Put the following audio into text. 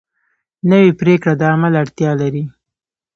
نوې پریکړه د عمل اړتیا لري